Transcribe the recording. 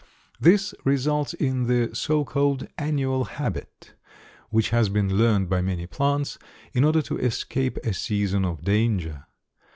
This results in the so called "annual habit," which has been learned by many plants in order to escape a season of danger.